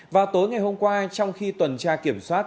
vào tối ngày hôm qua trong khi tuần tra kiểm soát